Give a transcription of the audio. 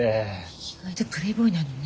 意外とプレイボーイなのね。